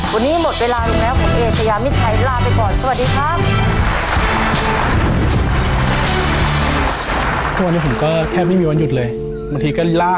วันนี้หมดเวลาลงแล้วผมเอเชยามิชัยลาไปก่อนสวัสดีครับ